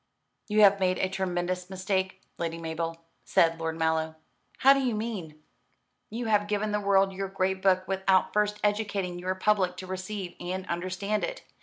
"You have made a tremendous mistake, Lady Mabel," said Lord Mallow. "How do you mean?" "You have given the world your great book without first educating your public to receive and understand it.